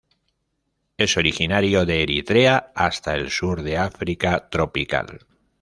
Es originario de Eritrea hasta el sur de África tropical.